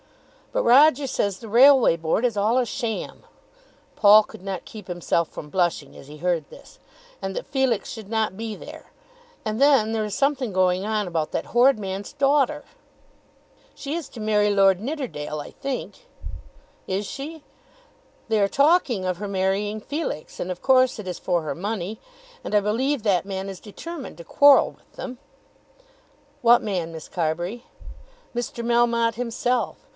"But Roger says the Railway Board is all a sham," Paul could not keep himself from blushing as he heard this, "and that Felix should not be there. And then there is something going on about that horrid man's daughter." "She is to marry Lord Nidderdale, I think." "Is she? They are talking of her marrying Felix, and of course it is for her money. And I believe that man is determined to quarrel with them." "What man, Miss Carbury?" "Mr. Melmotte himself.